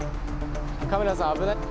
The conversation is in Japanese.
カメラさん、危ない。